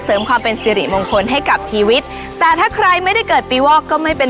ความเป็นสิริมงคลให้กับชีวิตแต่ถ้าใครไม่ได้เกิดปีวอกก็ไม่เป็น